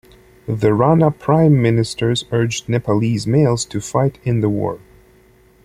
The Rana prime ministers urged Nepalese males to fight in the war.